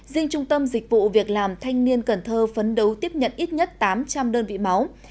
riêng trung tâm dịch vụ việc làm thanh niên cần thơ phấn đấu tiếp nhận ít nhất tám trăm linh đơn vị máu